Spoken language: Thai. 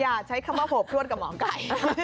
อย่าใช้คำว่าโหบพลวดกับหมอไก่